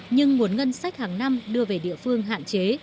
nhưng nguồn ngân sách hàng năm đưa về địa phương hạn chế